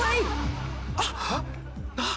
あっ！